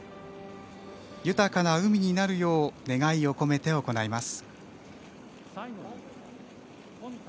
豊かな海になるよう願いを込めて行います。